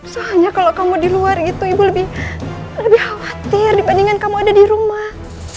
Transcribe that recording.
soalnya kalau kamu di luar gitu ibu lebih khawatir dibandingkan kamu ada di rumah